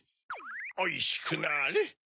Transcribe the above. ・おいしくなれ。